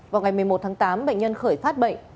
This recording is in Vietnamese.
vào ngày một mươi một tháng tám bệnh nhân khởi phát bệnh